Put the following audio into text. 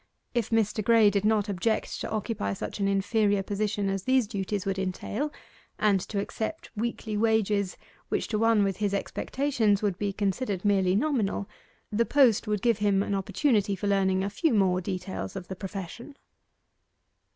If Mr. Graye did not object to occupy such an inferior position as these duties would entail, and to accept weekly wages which to one with his expectations would be considered merely nominal, the post would give him an opportunity for learning a few more details of the profession.